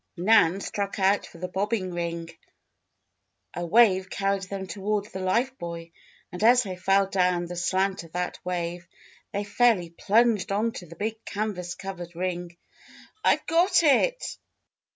Nan struck out for the bobbing ring. A wave carried them toward the life buoy and as they fell down the slant of that wave, they fairly plunged onto the big canvas covered ring. "I've got it!"